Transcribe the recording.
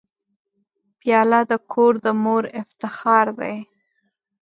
پیاله د کور د مور افتخار دی.